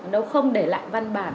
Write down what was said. nó không để lại văn bản